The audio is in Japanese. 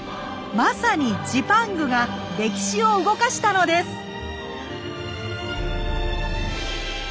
まさにジパングが歴史を動かしたのです！